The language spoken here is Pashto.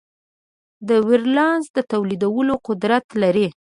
د وایرولانس د تولیدولو قدرت لري.